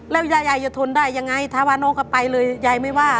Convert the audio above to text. แล้วยายยายจะทนได้ยังไงถ้าว่าน้องก็ไปเลยยายไม่ว่า